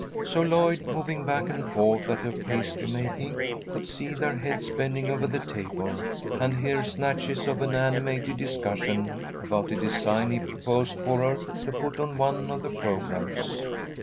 So Lloyd, moving back and forth at her pastry making, could see their heads bending over the table, and hear snatches of an animated discussion about a design he proposed for her to put on one of the programmes.